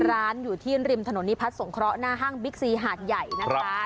ร้านอยู่ที่ริมถนนนิพัฒนสงเคราะห์หน้าห้างบิ๊กซีหาดใหญ่นะคะ